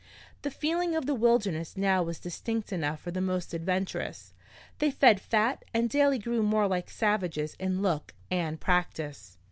The feeling of the wilderness now was distinct enough for the most adventurous. They fed fat, and daily grew more like savages in look and practice.